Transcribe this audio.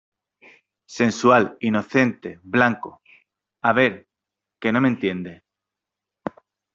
sensual, inocente , blanco. a ver , que no me entiende .